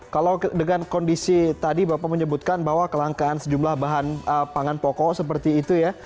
kalau dengan kondisi tadi bapak menyebutkan bahwa kelangkaan sejumlah bahan pangan pokok seperti itu ya